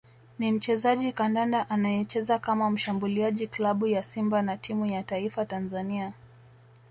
ni mchezaji kandanda anayecheza kama mshambuliaji klabu ya Simba na timu ya Taifa Tanzania